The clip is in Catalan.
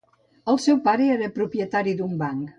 El seu pare era propietari d'un banc.